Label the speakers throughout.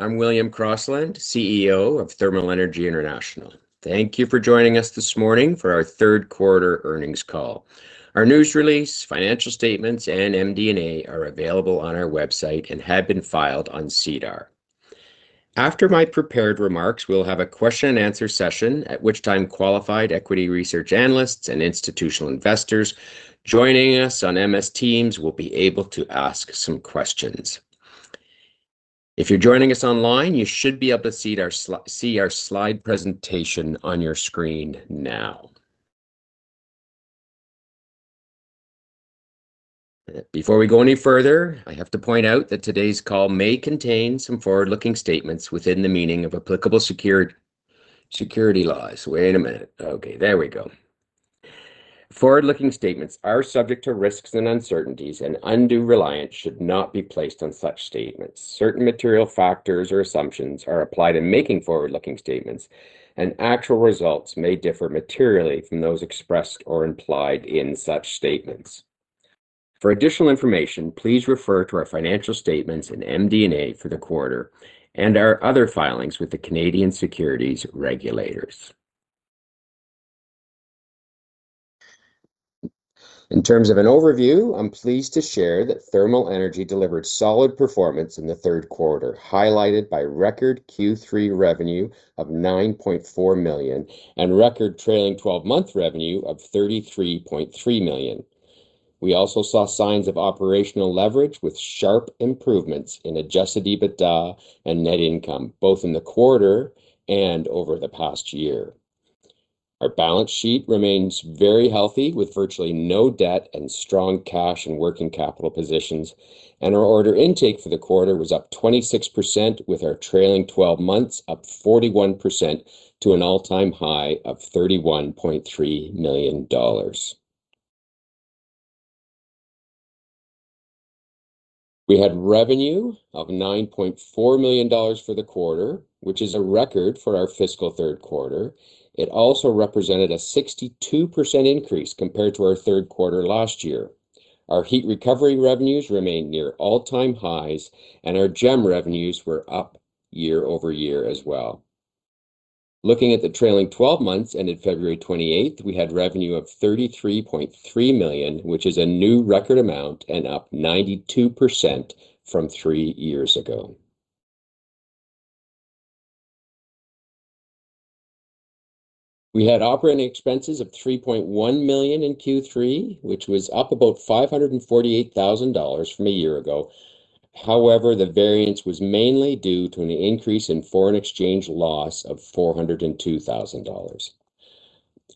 Speaker 1: I'm William Crossland, CEO of Thermal Energy International. Thank you for joining us this morning for our third quarter earnings call. Our news release, financial statements, and MD&A are available on our website and have been filed on SEDAR. After my prepared remarks, we'll have a question-and-answer session at which time qualified equity research analysts and institutional investors joining us on MS Teams will be able to ask some questions. If you're joining us online, you should be able to see our slide presentation on your screen now. Before we go any further, I have to point out that today's call may contain some forward-looking statements within the meaning of applicable security laws. Wait a minute. Okay, there we go. Forward-looking statements are subject to risks and uncertainties and undue reliance should not be placed on such statements. Certain material factors or assumptions are applied in making forward-looking statements, and actual results may differ materially from those expressed or implied in such statements. For additional information, please refer to our financial statements and MD&A for the quarter and our other filings with the Canadian Securities Regulators. In terms of an overview, I'm pleased to share that Thermal Energy delivered solid performance in the third quarter, highlighted by record Q3 revenue of 9.4 million and record trailing 12-month revenue of 33.3 million. We also saw signs of operational leverage with sharp improvements in adjusted EBITDA and net income, both in the quarter and over the past year. Our balance sheet remains very healthy with virtually no debt and strong cash and working capital positions. Our order intake for the quarter was up 26% with our trailing 12 months up 41% to an all-time high of 31.3 million dollars. We had revenue of 9.4 million dollars for the quarter, which is a record for our fiscal third quarter. It also represented a 62% increase compared to our third quarter last year. Our heat recovery revenues remained near all-time highs, and our GEM revenues were up year-over-year as well. Looking at the trailing 12 months ended February 28, we had revenue of 33.3 million, which is a new record amount and up 92% from three years ago. We had operating expenses of 3.1 million in Q3, which was up about 548,000 dollars from a year ago. However, the variance was mainly due to an increase in foreign exchange loss of 402,000 dollars.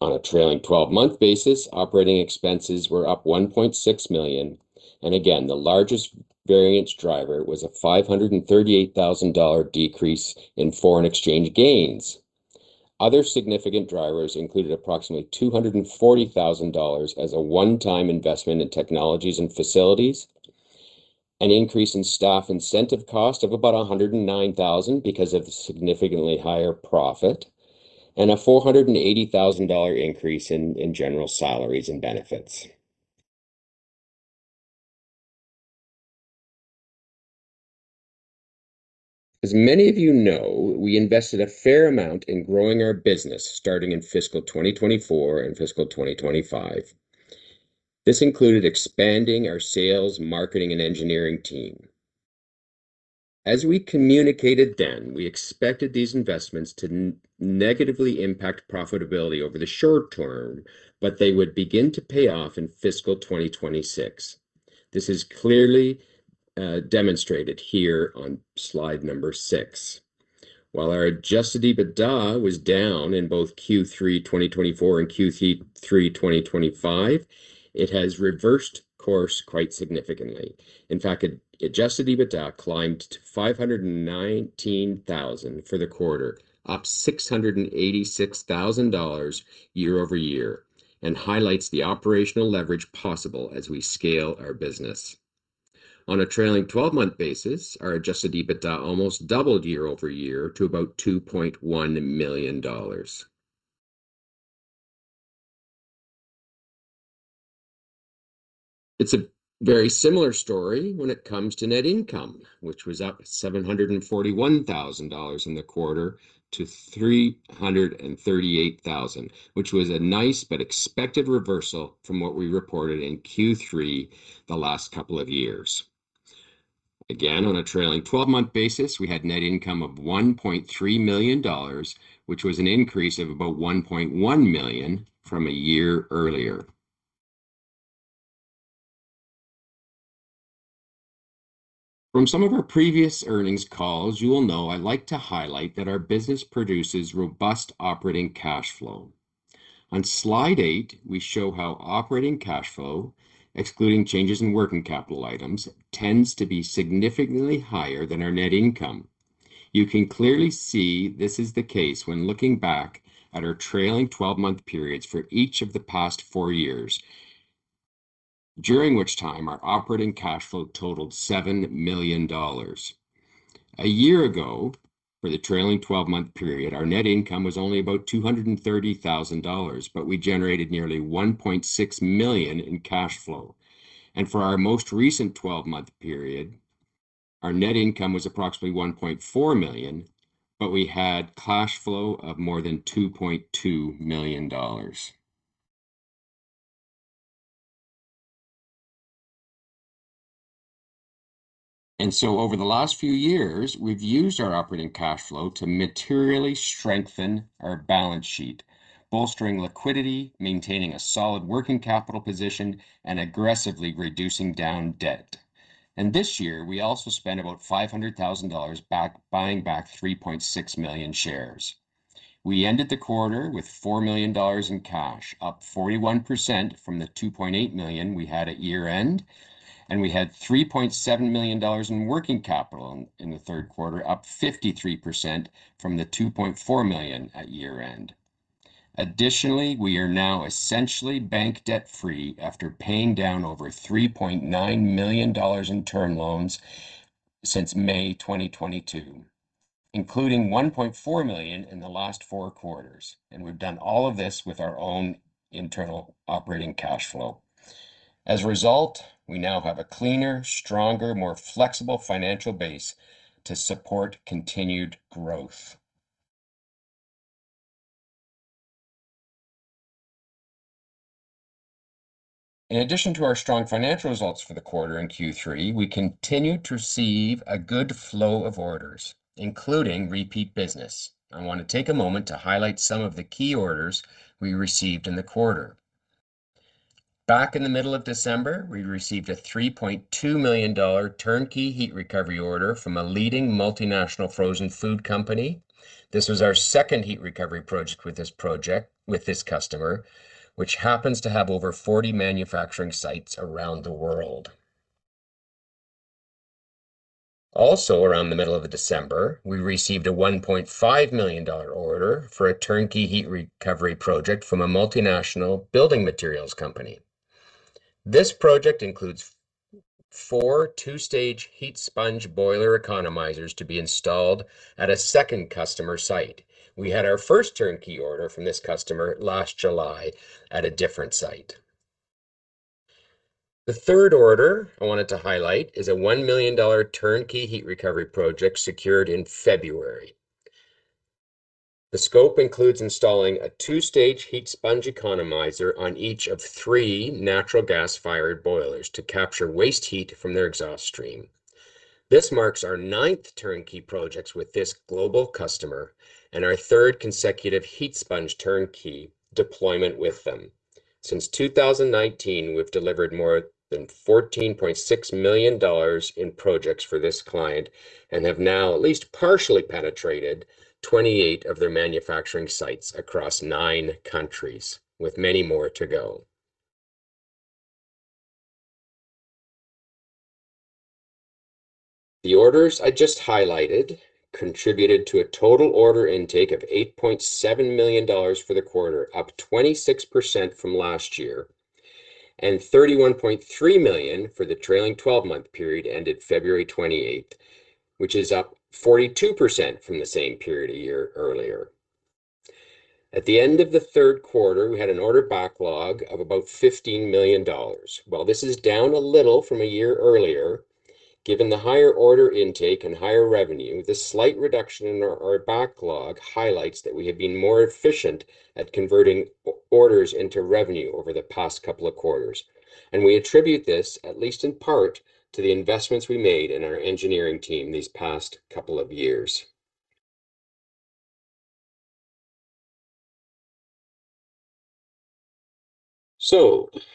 Speaker 1: On a trailing 12-month basis, operating expenses were up 1.6 million. Again, the largest variance driver was a 538,000 dollar decrease in foreign exchange gains. Other significant drivers included approximately 240,000 dollars as a one-time investment in technologies and facilities, an increase in staff incentive cost of about 109,000 because of significantly higher profit, and a 480,000 dollar increase in general salaries and benefits. As many of you know, we invested a fair amount in growing our business starting in Fiscal 2024 and Fiscal 2025. This included expanding our sales, marketing, and engineering team. As we communicated then, we expected these investments to negatively impact profitability over the short-term, but they would begin to pay off in Fiscal 2026. This is clearly demonstrated here on Slide number six. While our adjusted EBITDA was down in both Q3 2024 and Q3 2025, it has reversed course quite significantly. In fact, adjusted EBITDA climbed to 519,000 for the quarter, up 686,000 dollars year-over-year and highlights the operational leverage possible as we scale our business. On a trailing 12-month basis, our adjusted EBITDA almost doubled year-over-year to about 2.1 million dollars. It's a very similar story when it comes to net income, which was up 741,000 dollars in the quarter to 338,000, which was a nice but expected reversal from what we reported in Q3 the last couple of years. On a trailing 12-month basis, we had net income of 1.3 million dollars, which was an increase of about 1.1 million from a year earlier. From some of our previous earnings calls, you will know I like to highlight that our business produces robust operating cash flow. On Slide eight, we show how operating cash flow, excluding changes in working capital items, tends to be significantly higher than our net income. You can clearly see this is the case when looking back at our trailing 12-month periods for each of the past 4 years, during which time our operating cash flow totaled 7 million dollars. For the trailing 12-month period, our net income was only about 230,000 dollars, but we generated nearly 1.6 million in cash flow. For our most recent 12-month period, our net income was approximately 1.4 million, but we had cash flow of more than 2.2 million dollars. Over the last few years, we've used our operating cash flow to materially strengthen our balance sheet, bolstering liquidity, maintaining a solid working capital position, and aggressively reducing down debt. This year, we also spent about 500,000 dollars buying back 3.6 million shares. We ended the quarter with 4 million dollars in cash, up 41% from the 2.8 million we had at year-end, and we had 3.7 million dollars in working capital in the third quarter, up 53% from the 2.4 million at year-end. Additionally, we are now essentially bank debt-free after paying down over 3.9 million dollars in term loans since May 2022, including 1.4 million in the last four quarters, and we've done all of this with our own internal operating cash flow. As a result, we now have a cleaner, stronger, more flexible financial base to support continued growth. In addition to our strong financial results for the quarter in Q3, we continued to receive a good flow of orders, including repeat business. I want to take a moment to highlight some of the key orders we received in the quarter. Back in the middle of December, we received a 3.2 million dollar turnkey heat recovery order from a leading multinational frozen food company. This was our second heat recovery project with this customer, which happens to have over 40 manufacturing sites around the world. Also, around the middle of December, we received a 1.5 million dollar order for a turnkey heat recovery project from a multinational building materials company. This project includes four two-stage HeatSponge boiler economizers to be installed at a second customer site. We had our first turnkey order from this customer last July at a different site. The third order I wanted to highlight is a 1 million dollar turnkey heat recovery project secured in February. The scope includes installing a two-stage HeatSponge economizer on each of three natural gas-fired boilers to capture waste heat from their exhaust stream. This marks our ninth turnkey projects with this global customer and our third consecutive HeatSponge turnkey deployment with them. Since 2019, we've delivered more than 14.6 million dollars in projects for this client and have now at least partially penetrated 28 of their manufacturing sites across nine countries, with many more to go. The orders I just highlighted contributed to a total order intake of 8.7 million dollars for the quarter, up 26% from last year, and 31.3 million for the trailing 12-month period ended February 28th, which is up 42% from the same period a year earlier. At the end of the third quarter, we had an order backlog of about 15 million dollars. While this is down a little from a year earlier, given the higher order intake and higher revenue, the slight reduction in our backlog highlights that we have been more efficient at converting orders into revenue over the past couple of quarters. We attribute this, at least in part, to the investments we made in our engineering team these past couple of years.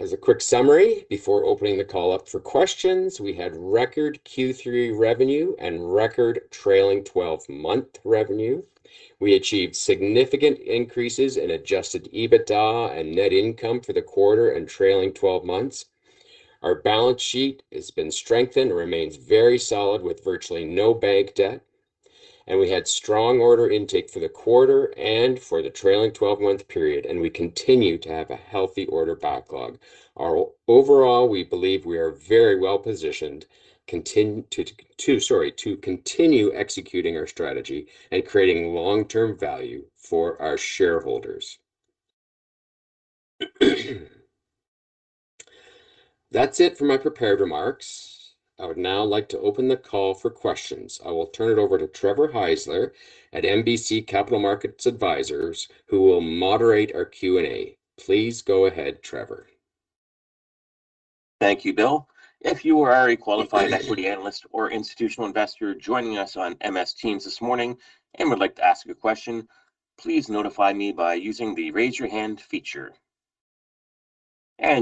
Speaker 1: As a quick summary before opening the call up for questions, we had record Q3 revenue and record trailing 12-month revenue. We achieved significant increases in adjusted EBITDA and net income for the quarter and trailing 12 months. Our balance sheet has been strengthened and remains very solid with virtually no bank debt. We had strong order intake for the quarter and for the trailing 12-month period, and we continue to have a healthy order backlog. Overall, we believe we are very well-positioned sorry, to continue executing our strategy and creating long-term value for our shareholders. That's it for my prepared remarks. I would now like to open the call for questions. I will turn it over to Trevor Heisler at MBC Capital Markets Advisors, who will moderate our Q&A. Please go ahead, Trevor.
Speaker 2: Thank you, Bill. If you are a qualified equity analyst or institutional investor joining us on MS Teams this morning and would like to ask a question, please notify me by using the Raise Your Hand feature.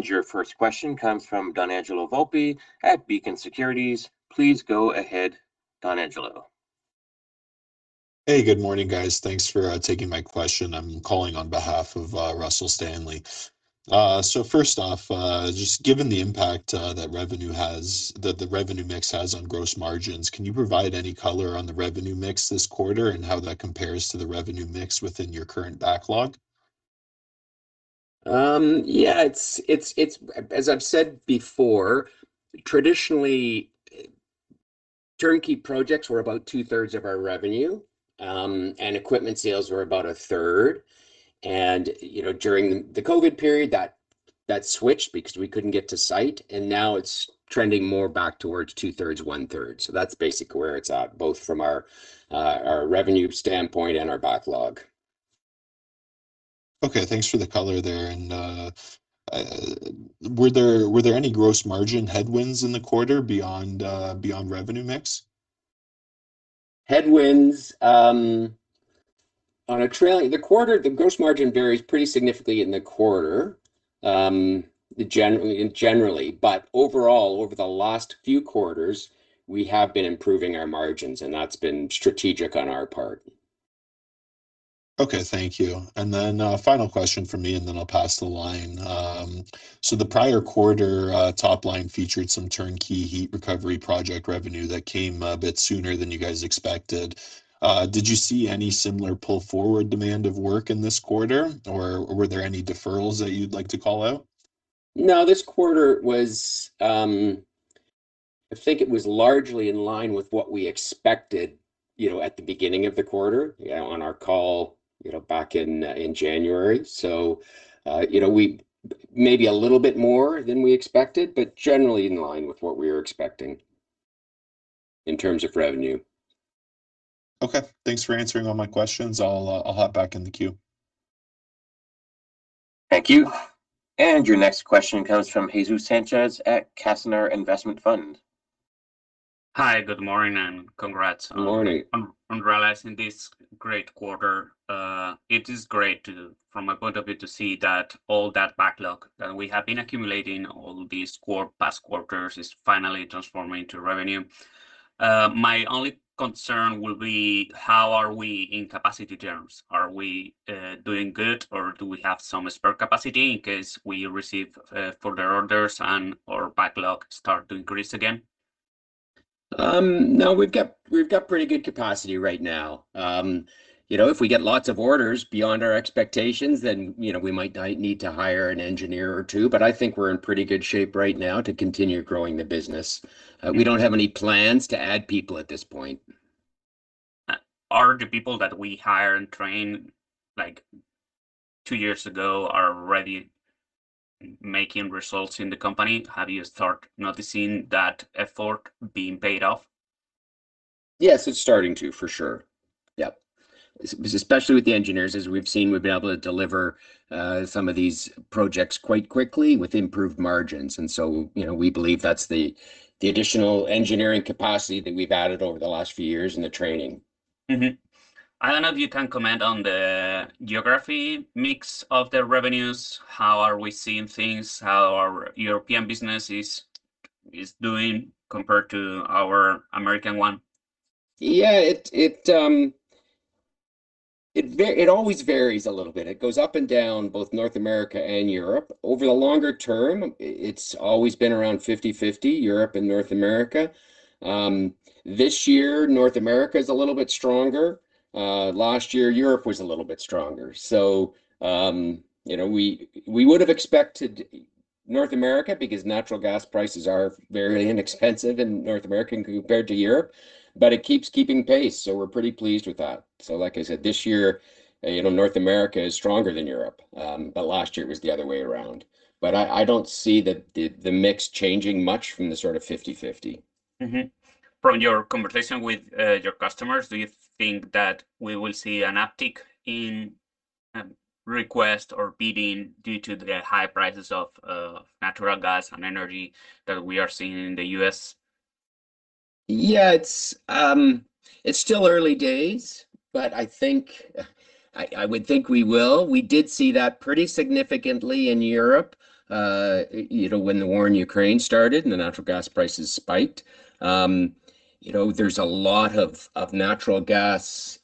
Speaker 2: Your first question comes from Donangelo Volpe at Beacon Securities. Please go ahead, Donangelo?
Speaker 3: Hey, good morning, guys. Thanks for taking my question. I am calling on behalf of Russell Stanley. First off, just given the impact that the revenue mix has on gross margins, can you provide any color on the revenue mix this quarter and how that compares to the revenue mix within your current backlog?
Speaker 1: Yeah, it's as I've said before, traditionally, turnkey projects were about two-thirds of our revenue, and equipment sales were about a third. You know, during the COVID period, that switched because we couldn't get to site, and now it's trending more back towards 2/3, 1/3. That's basically where it's at, both from our revenue standpoint and our backlog.
Speaker 3: Okay, thanks for the color there. Were there any gross margin headwinds in the quarter beyond revenue mix?
Speaker 1: Headwinds, the quarter, the gross margin varies pretty significantly in the quarter, generally. Overall, over the last few quarters, we have been improving our margins and that's been strategic on our part.
Speaker 3: Okay, thank you. A final question from me, then I'll pass the line. The prior quarter, top line featured some turnkey heat recovery project revenue that came a bit sooner than you guys expected. Did you see any similar pull-forward demand of work in this quarter, or were there any deferrals that you'd like to call out?
Speaker 1: No, this quarter was, I think it was largely in line with what we expected, you know, at the beginning of the quarter, you know, on our call, you know, back in January. You know, maybe a little bit more than we expected, but generally in line with what we were expecting in terms of revenue.
Speaker 3: Okay, thanks for answering all my questions. I'll hop back in the queue.
Speaker 2: Thank you. Your next question comes from Jesus Sanchez at Castañar Investment Fund.
Speaker 4: Hi, good morning and congrats.
Speaker 1: Good morning.
Speaker 4: on realizing this great quarter. It is great to, from my point of view, to see that all that backlog that we have been accumulating all these past quarters is finally transforming to revenue. My only concern will be, how are we in capacity terms? Are we doing good or do we have some spare capacity in case we receive further orders and our backlog start to increase again?
Speaker 1: No, we've got pretty good capacity right now. You know, if we get lots of orders beyond our expectations, then, you know, we might need to hire an engineer or two, but I think we're in pretty good shape right now to continue growing the business. We don't have any plans to add people at this point.
Speaker 4: Are the people that we hire and train, like two years ago, are already making results in the company? Have you start noticing that effort being paid off?
Speaker 1: Yes, it's starting to, for sure. Yeah, especially with the engineers. As we've seen, we've been able to deliver some of these projects quite quickly with improved margins and so, you know, we believe that's the additional engineering capacity that we've added over the last few years and the training.
Speaker 4: I don't know if you can comment on the geography mix of the revenues. How are we seeing things? How our European business is doing compared to our American one?
Speaker 1: It, it always varies a little bit. It goes up and down, both North America and Europe. Over the longer-term, it's always been around 50/50, Europe and North America. This year, North America is a little bit stronger. Last year, Europe was a little bit stronger. You know, we would've expected North America, because natural gas prices are very inexpensive in North America compared to Europe, but it keeps keeping pace, so we're pretty pleased with that. Like I said, this year, you know, North America is stronger than Europe. Last year it was the other way around. I don't see the, the mix changing much from the sort of 50/50.
Speaker 4: From your conversation with your customers, do you think that we will see an uptick in request or bidding due to the high prices of natural gas and energy that we are seeing in the U.S.?
Speaker 1: Yeah. It's still early days, but I would think we will. We did see that pretty significantly in Europe, you know, when the war in Ukraine started and the natural gas prices spiked. You know, there's a lot of natural gas,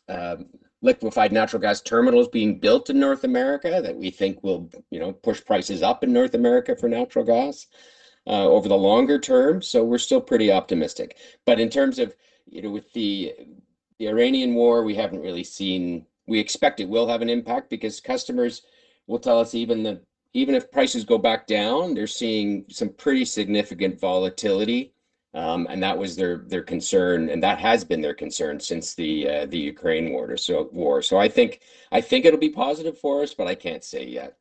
Speaker 1: liquified natural gas terminals being built in North America that we think will, you know, push prices up in North America for natural gas over the longer-term, so we're still pretty optimistic. In terms of, you know, with the Iranian war, we haven't really seen. We expect it will have an impact because customers will tell us even if prices go back down, they're seeing some pretty significant volatility. That was their concern, and that has been their concern since the Ukraine war. War. I think it'll be positive for us, but I can't say yet.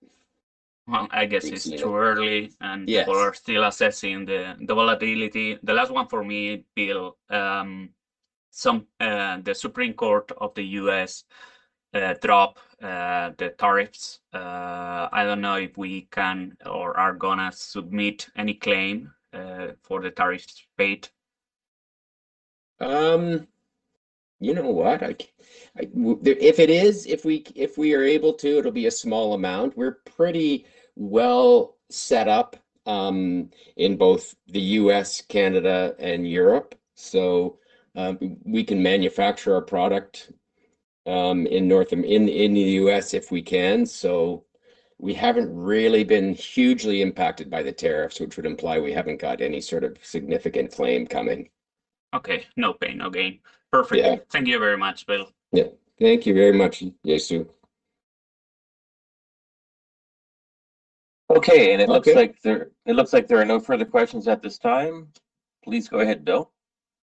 Speaker 4: Well, I guess it's too early.
Speaker 1: Yes
Speaker 4: People are still assessing the volatility. The last one for me, Bill. Some, the Supreme Court of the U.S. drop the tariffs. I don't know if we can or are gonna submit any claim for the tariffs paid.
Speaker 1: You know what? If it is, if we, if we are able to, it'll be a small amount. We're pretty well set up in both the U.S., Canada, and Europe. We can manufacture our product in the U.S. if we can. We haven't really been hugely impacted by the tariffs, which would imply we haven't got any sort of significant claim coming.
Speaker 4: Okay. No pain, no gain.
Speaker 1: Yeah.
Speaker 4: Perfect. Thank you very much, Bill. Yeah. Thank you very much, Jesus.
Speaker 2: Okay. It looks like there are no further questions at this time. Please go ahead, Bill.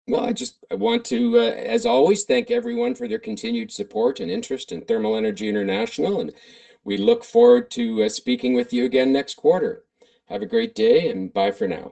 Speaker 1: Well, I just, I want to, as always, thank everyone for their continued support and interest in Thermal Energy International, and we look forward to, speaking with you again next quarter. Have a great day and bye for now.